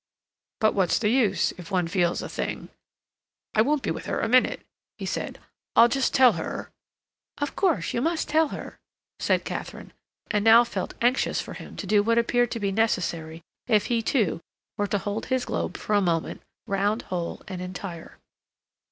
"But what's the use, if one feels a thing? I won't be with her a minute," he said. "I'll just tell her—" "Of course, you must tell her," said Katharine, and now felt anxious for him to do what appeared to be necessary if he, too, were to hold his globe for a moment round, whole, and entire.